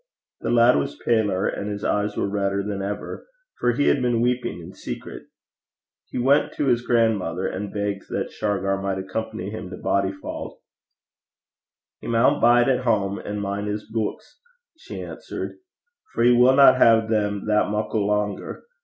The lad was paler and his eyes were redder than ever, for he had been weeping in secret. He went to his grandmother and begged that Shargar might accompany him to Bodyfauld. 'He maun bide at hame an' min' his beuks,' she answered; 'for he winna hae them that muckle langer.